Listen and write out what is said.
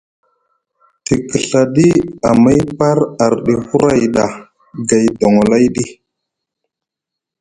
Te kiɵaɗi amay par arɗi huray ɗa gay doŋolayɗi.